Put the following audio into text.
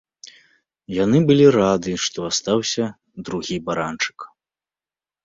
Яны былі рады, што астаўся другі баранчык.